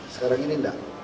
sekarang ini enggak